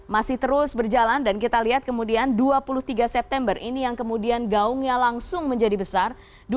masih terus berjalan dan kita lihat kemudian dua puluh tiga september ini yang kemudian gaungnya langsung menjadi besar